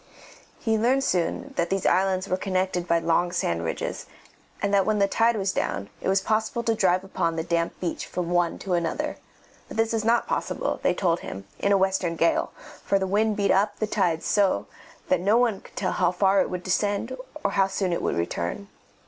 He learned soon that these islands were connected by long sand ridges, and that when the tide was down it was possible to drive upon the damp beach from one to another; but this was not possible, they told him, in a western gale, for the wind beat up the tide so that one could not tell how far it would descend or how soon it would return.